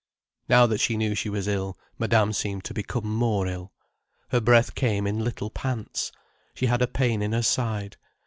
Now that she knew she was ill, Madame seemed to become more ill. Her breath came in little pants. She had a pain in her side.